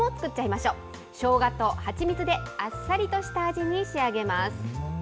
しょうがと蜂蜜であっさりとした味に仕上げます。